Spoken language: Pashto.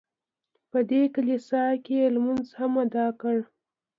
په دې کلیسا کې یې لمونځ هم ادا کړ.